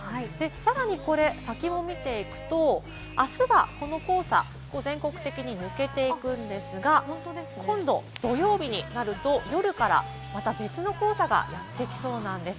さらにこれ、先を見ていくと、明日はこの黄砂、全国的に抜けていくんですが、今度、土曜日になると夜からまた別の黄砂がやってきそうなんです。